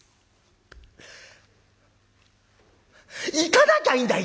「行かなきゃいいんだ